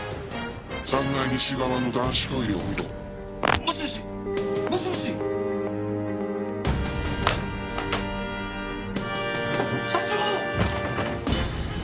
「３階西側の男子トイレを見ろ」もしもし？もしもし？社長！！